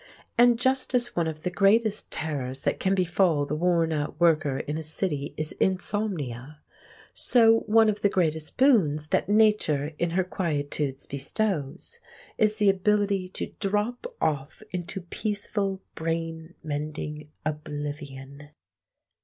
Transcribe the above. And just as one of the greatest terrors that can befall the worn out worker in a city is insomnia, so one of the greatest boons that Nature in her quietudes bestows is the ability to drop off into peaceful, brain mending oblivion.